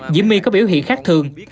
diễm my có biểu hiện khác thường